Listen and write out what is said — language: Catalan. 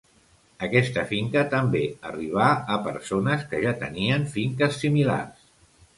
Aquesta finca també arribà a persones que ja tenien finques similars.